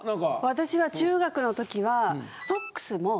私は中学の時は。